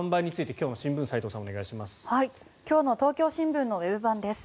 今日の東京新聞のウェブ版です。